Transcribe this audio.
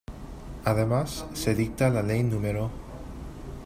Además, se dicta la Ley No.